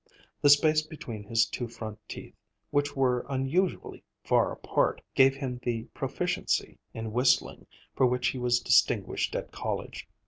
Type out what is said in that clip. The space between his two front teeth, which were unusually far apart, gave him the proficiency in whistling for which he was distinguished at college.